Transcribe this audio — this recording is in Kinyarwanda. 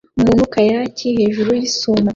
Umuntu kayaki 'hejuru yisumo